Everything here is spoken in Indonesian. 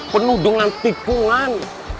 penuh dengan tikungan